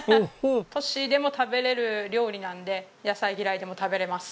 トッシーでも食べられる料理なので野菜嫌いでも食べられます。